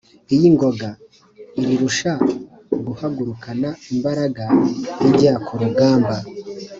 iy’ingoga: irirusha guhagurukana imbaraga ijya ku rugamba